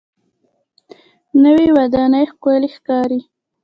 نوې ودانۍ ښکلې ښکاري